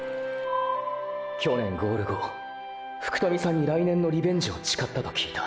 去年ゴール後福富さんに来年のリベンジを誓ったと聞いた。